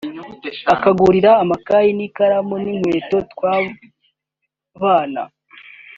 akangurira amakayi n’ikaramu n’inkweto twabana